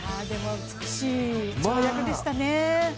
美しい跳躍でしたね。